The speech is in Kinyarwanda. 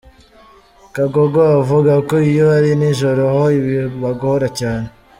Kagogo avuga ko iyo ari nijoro ho bibagora cyane.